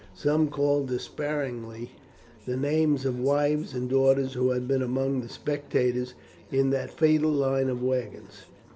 Some called despairingly the names of wives and daughters who had been among the spectators in that fatal line of wagons.